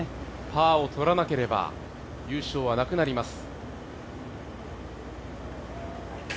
パーをとらなければ優勝はなくなります。